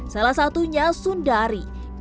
salah satunya sundari